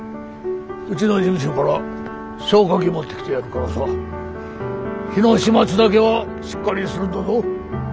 うちの事務所から消火器持ってきてやるからさ火の始末だけはしっかりするんだぞ。